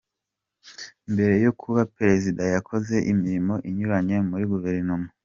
Mbere yo kuba Perezida yakoze imirimo inyuranye muri Guverinoma